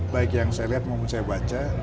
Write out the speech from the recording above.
baik yang saya lihat maupun saya baca